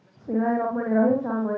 jadi debat pertama